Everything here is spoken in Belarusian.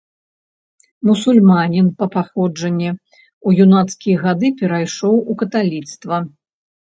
Мусульманін па паходжанні, у юнацкія гады перайшоў у каталіцтва.